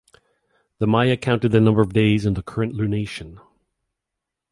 The Maya counted the number of days in the current lunation.